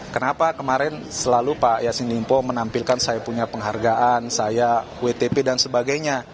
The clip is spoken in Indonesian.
kenapa kemarin selalu pak yasin limpo menampilkan saya punya penghargaan saya wtp dan sebagainya